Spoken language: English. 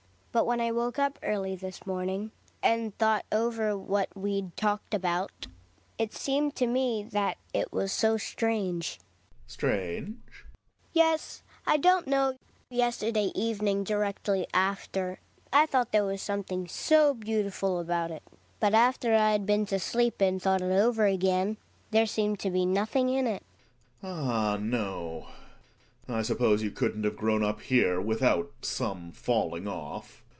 But when I woke up early this morning and thought over what we'd talked about, it seemed to me that it was so strange . Gregers. Strange ? Hedvig. Yes, I don't know Yesterday evening, directly after, I thought there was something so beautiful about it; but after I'd been to sleep and thought it over again, there seemed to be nothing in it. Gregers. Ah no ! I suppose you couldn't have grown up here without some falling off.